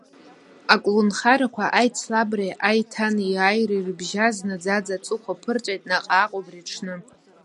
Аколнхарақәа аицлабреи аиҭанеиааиреи ирыбжьаз, наӡаӡа аҵыхәа ԥырҵәеит наҟааҟ убри аҽны.